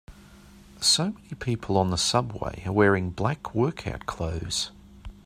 So many people on the subway are wearing black workout clothes.